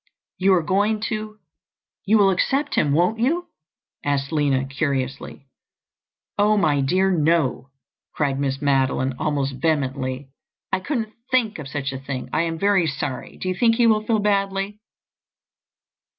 "You are going to—you will accept him, won't you?" asked Lina curiously. "Oh, my dear, no!" cried Miss Madeline almost vehemently. "I couldn't think of such a thing. I am very sorry; do you think he will feel badly?"